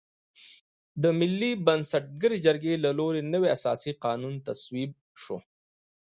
د ملي بنسټګرې جرګې له لوري نوی اساسي قانون تصویب شو.